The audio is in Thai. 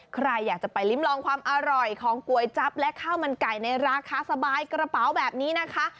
ใครอยากจะไปลิ้มลองความอร่อยของก๋วยจั๊บและข้าวมันไก่ในราคาสบายกระเป๋าแบบนี้นะคะ